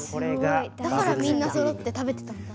だからみんなそろって食べてたんだ。